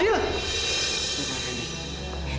ini pak fendi